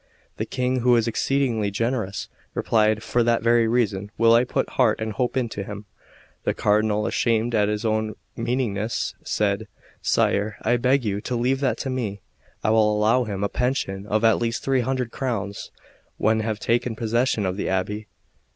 The King, who was exceedingly generous, replied: "For that very reason will I put heart and hope into him." The Cardinal, ashamed at his own meanness, said: "Sire, I beg you to leave that to me; I will allow him a pension of at least three hundred crowns when have taken possession of the abbey."